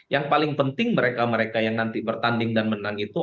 yang paling penting mereka mereka yang nanti bertanding dan menang itu